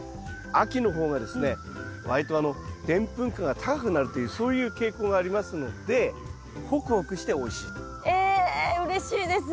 秋の方がですね割とでんぷん価が高くなるというそういう傾向がありますのでホクホクしておいしいと。えうれしいです。